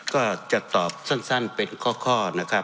ก็จะตอบสั้นเป็นข้อนะครับ